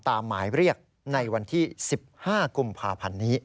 หมายเรียกในวันที่๑๕กุมภาพันธ์นี้